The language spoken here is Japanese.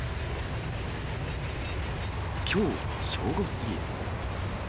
きょう正午過ぎ。